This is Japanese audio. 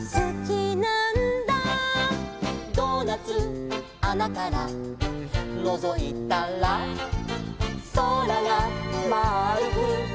「ドーナツあなからのぞいたら」「そらがまあるくみえるんだ」